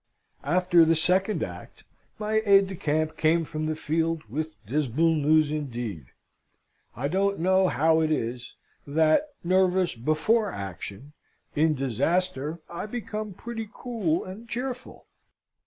After the second act, my aide de camp came from the field with dismal news indeed. I don't know how it is that, nervous before action, in disaster I become pretty cool and cheerful.